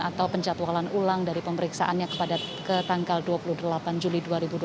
atau penjatualan ulang dari pemeriksaannya ke tanggal dua puluh delapan juli dua ribu dua puluh